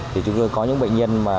thì chúng tôi có những bệnh nhân mà